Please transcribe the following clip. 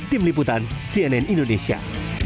tim liputan cnn indonesia